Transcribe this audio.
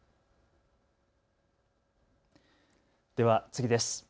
では次です。